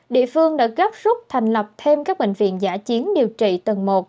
địa phương đã gấp rút thành lập thêm các bệnh viện giả chiến điều trị tầng một